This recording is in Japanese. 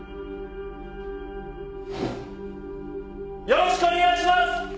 よろしくお願いします！